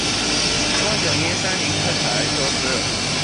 风景因山林开垦而消失